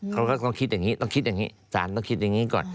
เขาก็ต้องคิดอย่างนี้ต้องคิดอย่างนี้สารต้องคิดอย่างนี้ก่อน